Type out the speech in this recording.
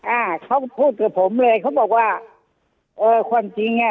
อ่าเขาพูดกับผมเลยเขาบอกว่าเออความจริงอ่ะ